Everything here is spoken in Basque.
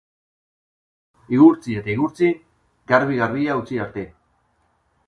Igurtzi eta igurtzi, garbi-garbia utzi arte.